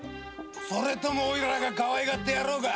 それともオイラがかわいがってやろうか。